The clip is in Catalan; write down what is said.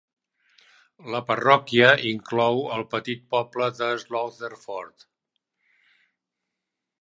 La parròquia inclou el petit poble de Slaughterford.